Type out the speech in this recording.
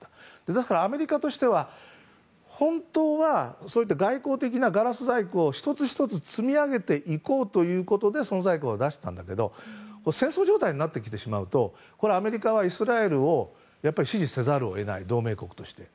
ですからアメリカとしては本当はそうやって外交的なガラス細工を１つ１つ積み上げていこうということで存在感を出してたんだけど戦争状態になってきてしまうとこれはアメリカはイスラエルを支持せざるを得ない同盟国として。